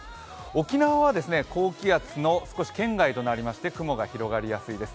沖縄は高気圧の少し圏外となりまして雲が広がりやすいです。